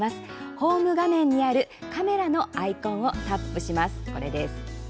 ホーム画面にあるカメラアイコンをタップします。